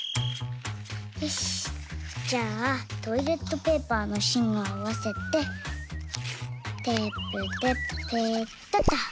よしじゃあトイレットペーパーのしんをあわせてテープでペタッと。